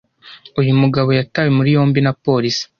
Uyu mugabo yatawe muri yombi na polisi.